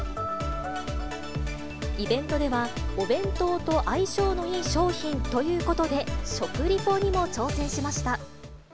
イベントでは、お弁当と相性のいい商品ということで、食リポにも挑戦しました。